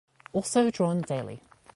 Also drawn daily.